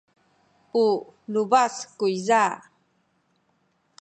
u lupas kuyza.